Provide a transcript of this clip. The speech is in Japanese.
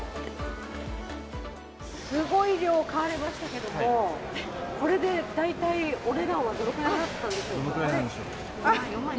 すごい量を買われましたけども、これで大体お値段はどのぐらどのくらいなんでしょう？